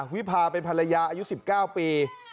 วิพาเป็นภรรยาอายุ๑๙ปี